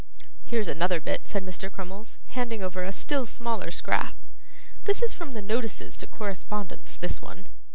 'Here's another bit,' said Mr. Crummles, handing over a still smaller scrap. 'This is from the notices to correspondents, this one.